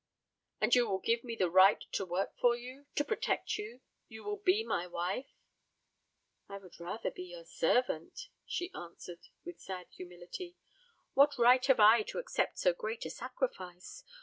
"And you will give me the right to work for you to protect you? You will be my wife?" "I would rather be your servant," she answered, with sad humility. "What right have I to accept so great a sacrifice?